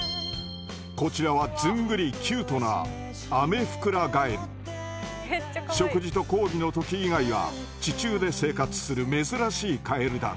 こちらはずんぐりキュートな食事と交尾の時以外は地中で生活する珍しいカエルだ。